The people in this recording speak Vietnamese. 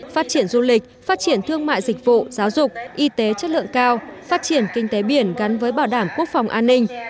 phát triển du lịch phát triển thương mại dịch vụ giáo dục y tế chất lượng cao phát triển kinh tế biển gắn với bảo đảm quốc phòng an ninh